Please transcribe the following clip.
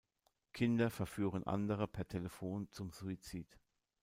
Kinder verführen andere per Telefon zum Suizid.